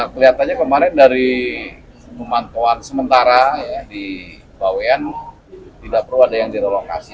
kelihatannya kemarin dari pemantauan sementara di bawean tidak perlu ada yang direlokasi